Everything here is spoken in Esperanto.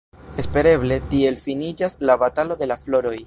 Espereble tiel finiĝas la batalo de la floroj.